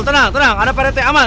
tenang tenang ada pak reten aman